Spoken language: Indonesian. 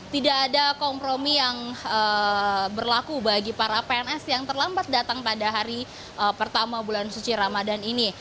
tidak ada kompromi yang berlaku bagi para pns yang terlambat datang pada hari pertama bulan suci ramadan ini